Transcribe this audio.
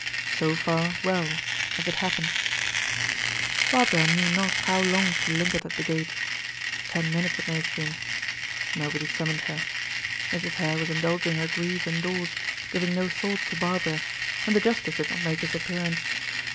So far, well as it happened. Barbara knew not how long she lingered at the gate; ten minutes it may have been. Nobody summoned her. Mrs. Hare was indulging her grief indoors, giving no thought to Barbara, and the justice did not make his appearance.